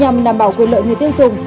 nhằm đảm bảo quyền lợi người tiêu dùng